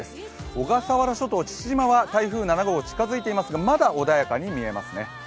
小笠原諸島・父島は台風７号近づいていますがまだ穏やかに見えますね。